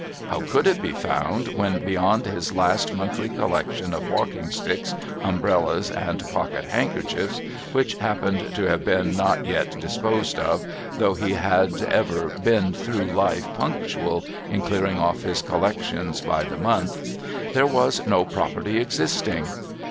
How could it be found, when, beyond his last monthly collection of walking sticks, umbrellas, and pocket handkerchiefs (which happened to have been not yet disposed of, though he had ever been through life punctual in clearing off his collections by the month), there was no property existing?